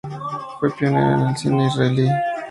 Fue pionera en el cine israelí.